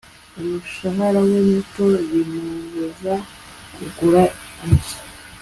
umushahara we muto bimubuza kugura inzu